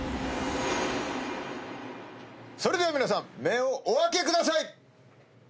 それでは皆さん目をお開けください。